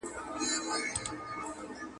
د انټرنیټ له لاري د بنو د جلسې تر لیدووروسته..